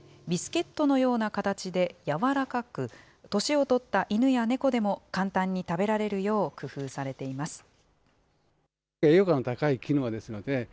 ビスケットのような形で柔らかく、年を取った犬や猫でも、簡単に食べられるよう工夫されています。